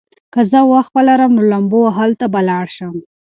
که زه وخت ولرم، نو لامبو وهلو ته به لاړ شم.